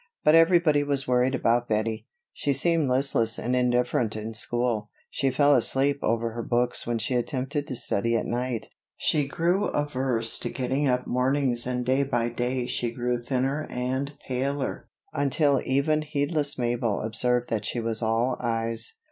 But everybody was worried about Bettie. She seemed listless and indifferent in school, she fell asleep over her books when she attempted to study at night, she grew averse to getting up mornings and day by day she grew thinner and paler, until even heedless Mabel observed that she was all eyes.